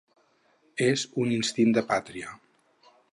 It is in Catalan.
És un instint de pàtria.